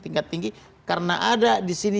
tingkat tinggi karena ada disini